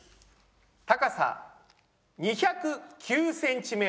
高さ２０９ｃｍ。